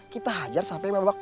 kita ajar sampai meine bangek